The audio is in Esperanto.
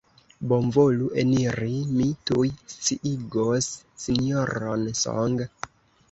Bonvolu eniri; mi tuj sciigos Sinjoron Song.